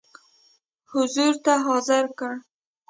حضور ته حاضر کړ.